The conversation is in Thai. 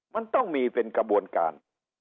มันต้องมีเป็นกระบวนการ